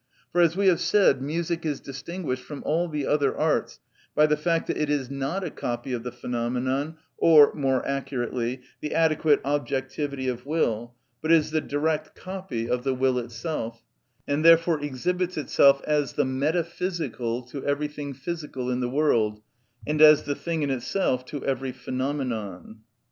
For, as we have said, music is distinguished from all the other arts by the fact that it is not a copy of the phenomenon, or, more accurately, the adequate objectivity of will, but is the direct copy of the will itself, and therefore exhibits itself as the metaphysical to everything physical in the world, and as the thing in itself to every phenomenon.